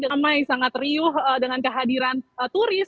damai sangat riuh dengan kehadiran turis